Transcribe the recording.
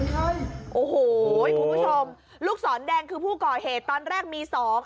ลูกสอนแดงคือผู้ก่อเหตุตอนแรกมีสอง